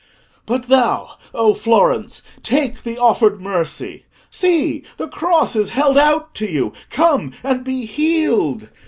"But thou, O Florence, take the offered mercy. See! the Cross is held out to you: come and be healed.